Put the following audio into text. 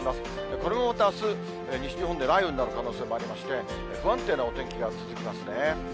これもまたあす、西日本で雷雨になる可能性もありまして、不安定なお天気が続きますね。